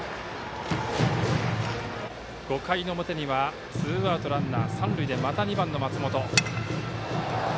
５回の表にはツーアウト、ランナー、三塁でまた２番の松本。